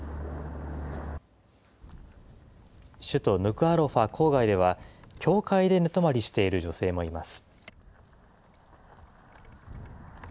首都ヌクアロファ郊外では、教会で寝泊まりしている女性もいます。